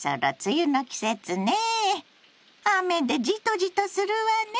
雨でじとじとするわね。